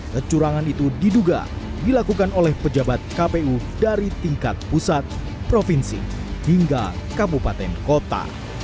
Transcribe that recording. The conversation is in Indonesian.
kecurangan itu diduga dilakukan oleh pejabat kpu dari tingkat pusat provinsi hingga kabupaten kota